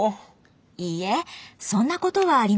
いいえそんなことはありませんよ。